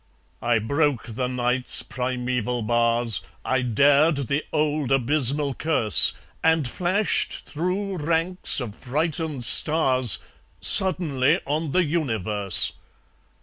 I broke the Night's primeval bars, I dared the old abysmal curse, And flashed through ranks of frightened stars Suddenly on the universe!